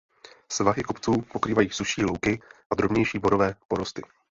Svahy kopců pokrývají sušší louky a drobnější borové porosty.